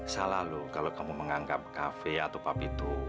salah lu kalau kamu menganggap kafe atau pub itu